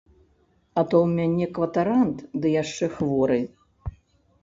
А то ў мяне кватарант, ды яшчэ хворы!